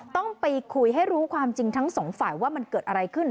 ต้องไปคุยให้รู้ความจริงทั้งสองฝ่ายว่ามันเกิดอะไรขึ้น